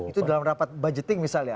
itu dalam rapat budgeting misalnya